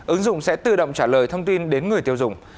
ứng dụng sẽ tự động trả lời thông tin đến người tiêu dùng